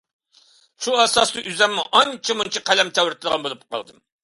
شۇ ئاساستا ئۆزۈممۇ ئانچە-مۇنچە قەلەم تەۋرىتىدىغان بولۇپ قالدىم.